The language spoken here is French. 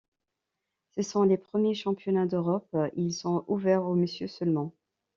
Ce sont les premiers championnats d'Europe et ils sont ouverts aux messieurs seulement.